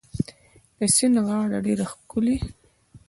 د سیند غاړه ډيره ښکلې